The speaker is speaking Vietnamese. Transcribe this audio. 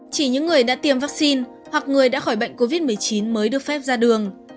chỉ những người đã tiêm vaccine hoặc người đã khỏi bệnh covid một mươi chín mới được phép ra đường